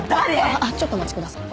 あっちょっとお待ちください。